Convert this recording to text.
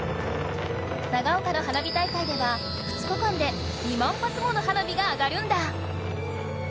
長岡の花火大会では２日間で２万発もの花火があがるんだ。